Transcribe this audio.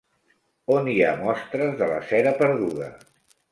On hi ha mostres de la cera perduda?